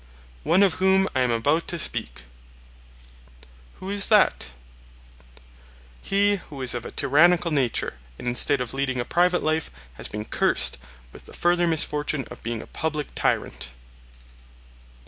One of whom I am about to speak. Who is that? He who is of a tyrannical nature, and instead of leading a private life has been cursed with the further misfortune of being a public tyrant.